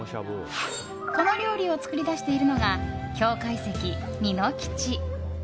この料理を作り出しているのが京懐石みのきち。